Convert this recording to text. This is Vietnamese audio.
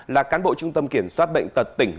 là cán bộ trung tâm kiểm soát bệnh tật tỉnh